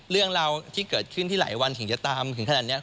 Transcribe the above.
เรื่องราวที่เกิดขึ้นที่หลายวันถึงจะตามถึงขนาดนี้